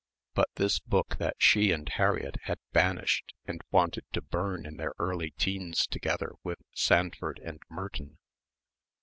But this book that she and Harriett had banished and wanted to burn in their early teens together with "Sandford and Merton."